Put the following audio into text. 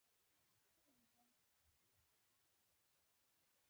افغانه ښځه د ځمکې په سر دخدای مظلوم مخلوق دې